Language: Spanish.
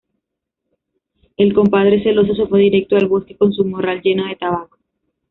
El compadre celoso se fue directo al bosque con su morral lleno de tabaco.